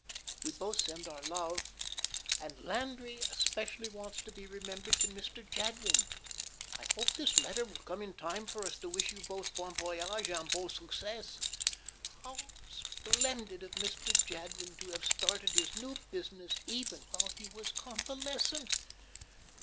"'We both send our love, and Landry especially wants to be remembered to Mr. Jadwin. I hope this letter will come in time for us to wish you both bon voyage and bon succes. How splendid of Mr. Jadwin to have started his new business even while he was convalescent!